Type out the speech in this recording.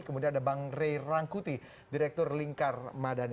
kemudian ada bang ray rangkuti direktur lingkar madani